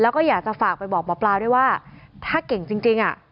แล้วก็อยากจะฝากไปบอกหมอปลาด้วยว่าถ้าเก่งจริงอ่ะ